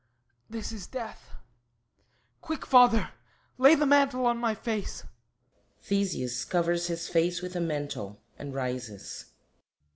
This is death... Quick, Father; lay the mantle on my face. [THESEUS _covers his face with a mantle and rises.